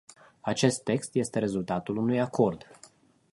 Acest text este rezultatul unui acord.